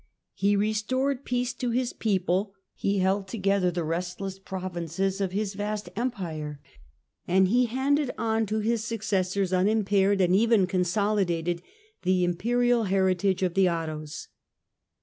He restored peace to his people : he held together the restless pro vinces of his vast Empire, and he handed on to his successors, unimpaired and even consolidated, the imperial heritage of the Ottos.